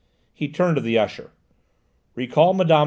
He turned to the usher. "Recall Mme.